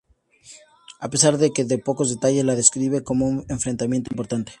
A pesar de que da pocos detalles, la describe como un enfrentamiento importante.